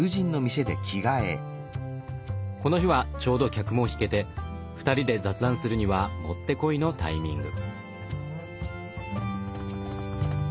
この日はちょうど客も引けて２人で雑談するにはもってこいのタイミング。